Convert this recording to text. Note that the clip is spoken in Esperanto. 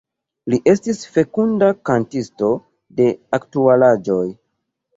Li estis fekunda kantisto de aktualaĵoj.